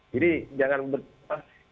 jadi jangan bertimbang timbang